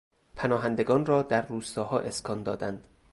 پناهندگان را در روستاها اسکان دادند.